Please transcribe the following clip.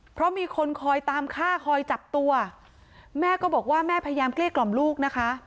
เพราะมีคนคอยตามฆ่าคอยจับตัวแม่ก็บอกว่าแม่พยายามเกลี้ยกล่อมลูกนะคะ